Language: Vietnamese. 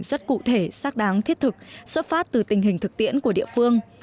rất cụ thể xác đáng thiết thực xuất phát từ tình hình thực tiễn của địa phương